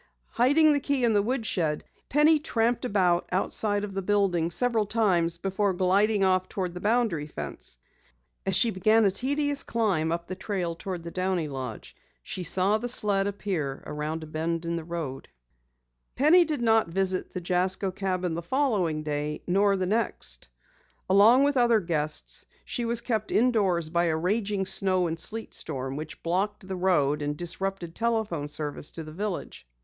Hiding the key in the woodshed, Penny tramped about the outside of the building several times before gliding off toward the boundary fence. As she began a tedious climb up the trail toward the Downey lodge, she saw the sled appear around a bend of the road. Penny did not visit the Jasko cabin the following day nor the next. Along with other guests she was kept indoors by a raging snow and sleet storm which blocked the road and disrupted telephone service to the village.